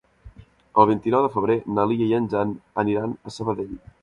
El vint-i-nou de febrer na Lia i en Jan aniran a Sabadell.